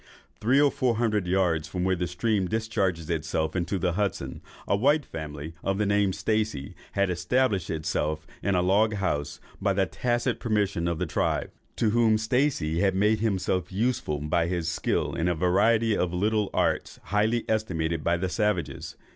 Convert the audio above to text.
Three or four hundred yards from where the stream discharges itself into the Hudson, a white family, of the name of Stacey, had established itself in a log house, by tacit permission of the tribe, to whom Stacey had made himself useful by his skill in a variety of little arts highly estimated by the savages.